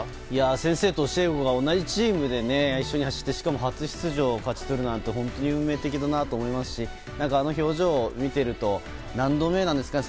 先生と教え子が同じチームで一緒に走って初出場を勝ち取るなんて本当に運命的だなと思いますしあの表情を見ていると何度目なんですかね。